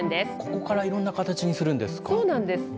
ここからいろんな形にするんですか。